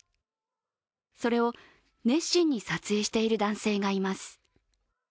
それを熱心に撮影している男性がいます。